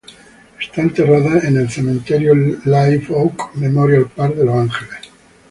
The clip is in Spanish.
Está enterrada en el Cementerio Live Oak Memorial Park de Los Ángeles.